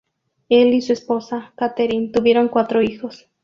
Él y su esposa, Katherine, tuvieron cuatro hijos.